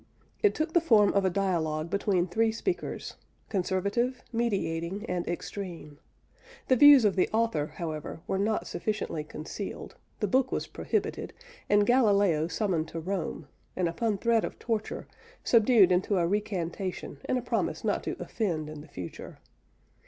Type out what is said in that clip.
It took the form of a dialogue between three speakers conservative, mediating, and extreme. The views of the author, however, were not sufficiently concealed, the book was prohibited, and Galileo summoned to Rome, and upon threat of torture, subdued into a recantation and a promise not to offend in the future.